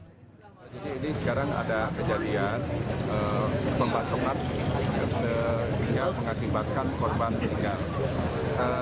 jadi ini sekarang ada kejadian pembacokan sehingga mengakibatkan korban tinggal